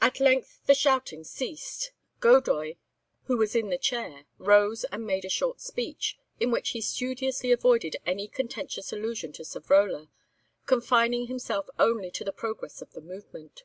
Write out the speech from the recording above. At length the shouting ceased. Godoy, who was in the chair, rose and made a short speech, in which he studiously avoided any contentious allusion to Savrola, confining himself only to the progress of the movement.